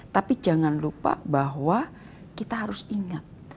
tapi jangan lupa bahwa kita harus ingat